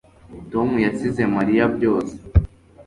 Tom yasize Mariya byose